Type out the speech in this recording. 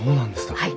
はい。